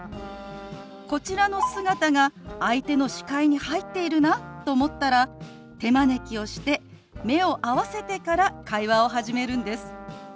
こちらの姿が相手の視界に入っているなと思ったら手招きをして目を合わせてから会話を始めるんです。